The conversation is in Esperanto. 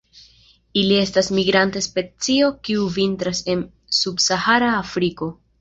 Ili estas migranta specio, kiu vintras en subsahara Afriko.